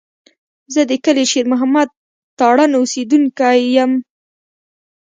زه د کلي شېر محمد تارڼ اوسېدونکی یم.